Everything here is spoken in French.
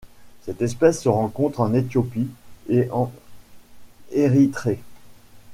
Cette espèce se rencontre en Éthiopie et en Érythrée.